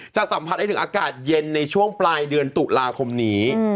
สัมผัสได้ถึงอากาศเย็นในช่วงปลายเดือนตุลาคมนี้